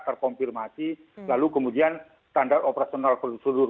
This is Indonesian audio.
terkompirmasi lalu kemudian standar operasional seluruh kontak